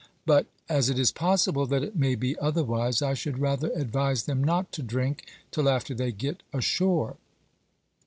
But as it is possible that it may be otherwise, I should rather advise them not to drink till after they get ashore.